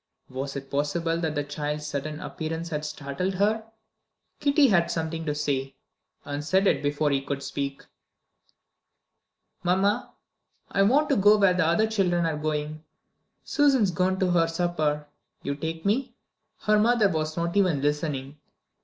Was it possible that the child's sudden appearance had startled her? Kitty had something to say, and said it before he could speak. "Mamma, I want to go where the other children are going. Susan's gone to her supper. You take me." Her mother was not even listening.